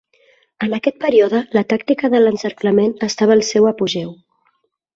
En aquest període, la tàctica de l'encerclament estava al seu apogeu.